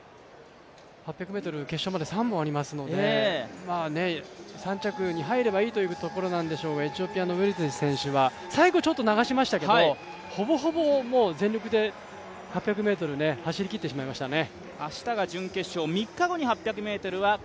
８００ｍ決勝まで３本ありますので３着に入ればいいというところなんでしょうがエチオピアのウェルテジ選手は最後、ちょっと流しましたけどほぼほぼもう全力で８００ｍ走りきってしまいましたね。